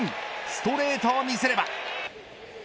ストレートを見せれば。